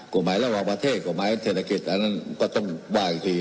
กฎหมายระหว่างประเทศกฎหมายเศรษฐกิจอันนั้นก็ต้องว่าอีกที